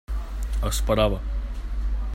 Esperava.